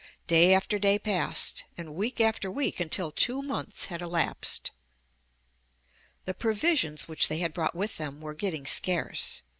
Day after day passed, and week after week until two months had elapsed. The provisions which they had brought with them were getting scarce.